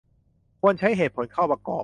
ควรใช้เหตุผลเข้าประกบ